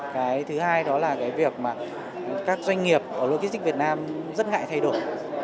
cái thứ hai đó là cái việc mà các doanh nghiệp ở logistics việt nam rất ngại thay đổi